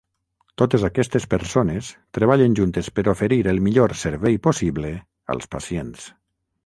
Totes aquestes persones treballen juntes per oferir el millor servei possible als pacients.